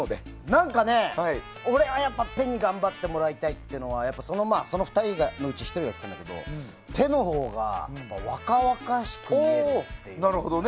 何か、俺はペに頑張ってもらいたいというのはその２人のうち１人が言ってたんだけどペのほうが若々しく見えるって。